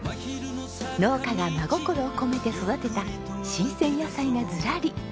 農家が真心を込めて育てた新鮮野菜がずらり。